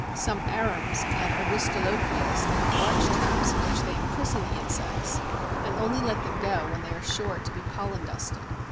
Some Arums and Aristolochias have large traps in which they imprison the insects, and only let them go when they are sure to be pollen dusted.